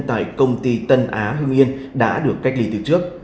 tại công ty tân á hưng yên đã được cách ly từ trước